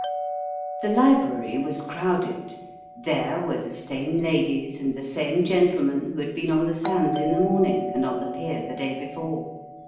The library was crowded. There were the same ladies, and the same gentlemen, who had been on the sands in the morning, and on the pier the day before.